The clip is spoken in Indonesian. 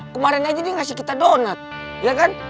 kemarin aja dia ngasih kita donat ya kan